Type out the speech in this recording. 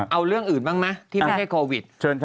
เอาเรื่องอื่นบ้างไหมที่ไม่ใช่โควิด